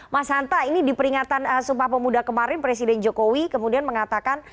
mas hanta ini di peringatan sumpah pemuda kemarin presiden jokowi kemudian mengatakan